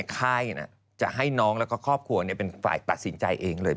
ค่ายจะให้น้องแล้วก็ครอบครัวเป็นฝ่ายตัดสินใจเองเลย